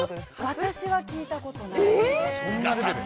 ◆私は聞いたことがない。